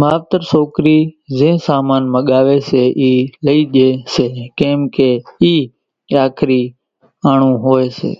ماوتر سوڪرِي زين سامان ماڳي سي اِي لِي ڄي سي ڪيمڪي اِي آکرِي آڻون ھوئي سي